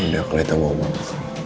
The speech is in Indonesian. ya udah aku lihat omong omong